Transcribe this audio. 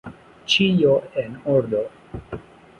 Ĉio, en ordo.